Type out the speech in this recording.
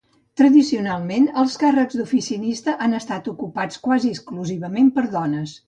Tradicionalment, els càrrecs d'oficinista han estat ocupats quasi exclusivament per dones.